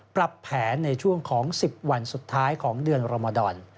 ปรับแผนในช่วงของ๑๐วันสุดท้ายของเดือนรมดร